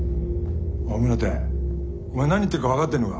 おい宗手お前何言ってるか分かってんのか？